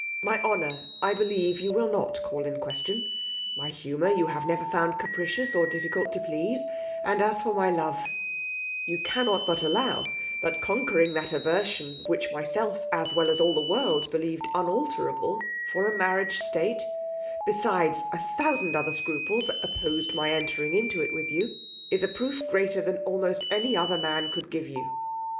My honour, I believe, you will not call in question: my humour you have never found capricious, or difficult to please; and as for my love, you cannot but allow the conquering that aversion, which myself, as well as all the world, believed unalterable for a marriage state; besides a thousand other scruples opposed my entering into it with you, is a proof greater than almost any other man could give you.